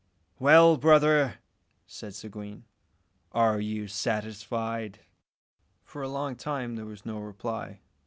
"Well, brother," said Seguin, "are you satisfied?" For a long time there was no reply.